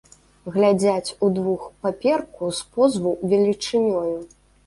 Глядзяць удвух паперку з позву велічынёю.